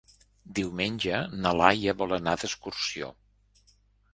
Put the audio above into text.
Diumenge na Laia vol anar d'excursió.